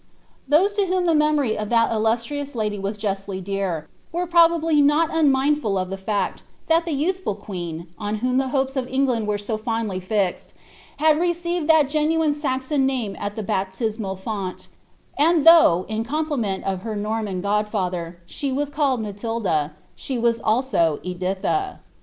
99 Those to whom the memory of that illustrious lady was justly dear, were probably not unmindful of the fact, that the youthful queen, on whom the hopes of England were so fondly fixed, had received that gamine Saxon name at the baptismal font ; and though, in compliment lo her Norman god&ther, she was called Matilda, she was also Editha.